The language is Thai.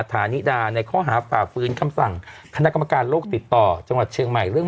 ฐานิดาในข้อหาฝ่าฟื้นคำสั่งคณะกรรมการโลกติดต่อจังหวัดเชียงใหม่เรื่อง